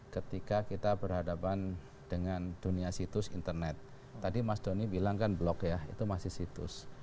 ketika kita berhadapan dengan dunia situs internet tadi mas doni bilang kan blok ya itu masih situs